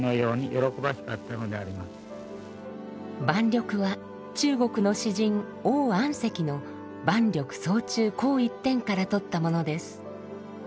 「萬緑」は中国の詩人王安石の「萬緑叢中紅一点」から取ったものです。